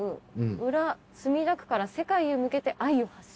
裏墨田区から世界へ向けて愛を発信。